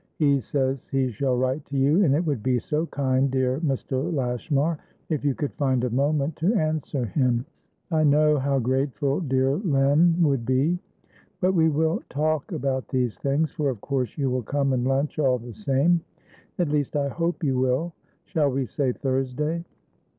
He says he shall write to you, and it would be so kind, dear Mr. Lashmar, if you could find a moment to answer him. I know how grateful dear Len would be. But we will talk about these things, for of course you will come and lunch all the same, at least I hope you will. Shall we say Thursday?